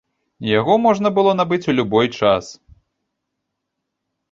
Яго можна было набыць у любой час.